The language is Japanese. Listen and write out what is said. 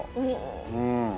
うん。